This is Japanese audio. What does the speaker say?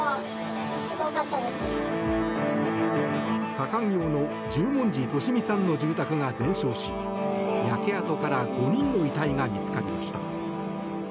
左官業の十文字利美さんの住宅が全焼し焼け跡から５人の遺体が見つかりました。